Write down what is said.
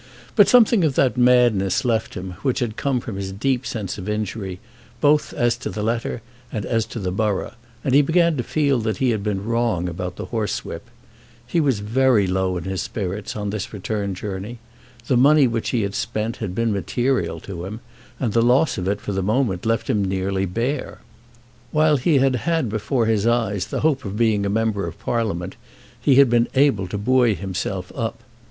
But something of that madness left him which had come from his deep sense of injury, both as to the letter and as to the borough, and he began to feel that he had been wrong about the horsewhip. He was very low in spirits on this return journey. The money which he had spent had been material to him, and the loss of it for the moment left him nearly bare. While he had had before his eyes the hope of being a member of Parliament he had been able to buoy himself up.